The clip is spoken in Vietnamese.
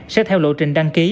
sẽ theo lộ trình đăng ký